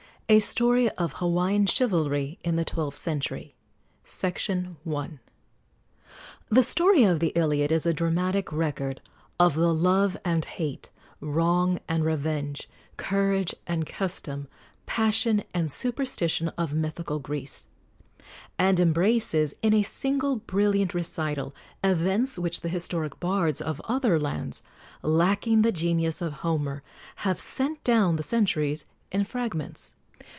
A STORY OF HAWAIIAN CHIVALRY IN THE TWELFTH CENTURY. I. The story of the Iliad is a dramatic record of the love and hate, wrong and revenge, courage and custom, passion and superstition, of mythical Greece, and embraces in a single brilliant recital events which the historic bards of other lands, lacking the genius of Homer, have sent down the centuries in fragments.